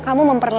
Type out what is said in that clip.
kamu malah radial